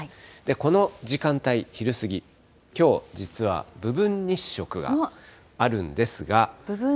この時間帯、昼過ぎ、きょう実は部分日食があるんですが。